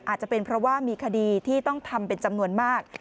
อาจจะเป็นเพราะว่ามีคดีที่ต้องทำเป็นจำนวนมาก